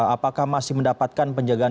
apakah masih mendapatkan penjagaan